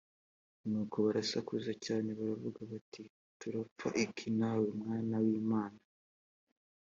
nuko barasakuza cyane bavuga bati turapfa iki nawe mwana w imana